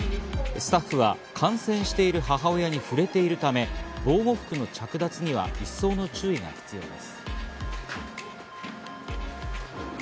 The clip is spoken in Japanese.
スタッフは感染している母親に触れているため防護服の着脱には一層の注意が必要です。